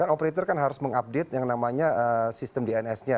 kan operator kan harus mengupdate yang namanya sistem dns nya